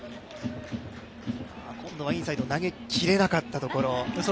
今度はインサイドに投げきれなかったところ。